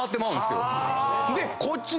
でこっち。